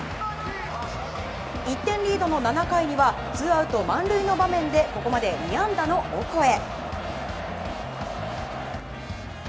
１点リードの７回にはツーアウト満塁の場面でここまで２安打のオコエ。